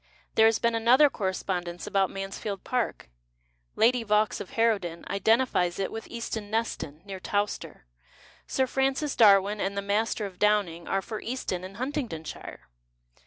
There has been another corre spondence about Mansfield Park. Lady Vaux of Harrowden " identifies " it with Easton Neston, near Towcester. Sir Francis Darwin and the Master of Downing arc for Easton in Huntingdon shire.